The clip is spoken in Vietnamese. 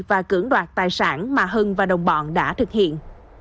và cưỡng đoạt tài sản mà hân và đồng bọn đã thực hiện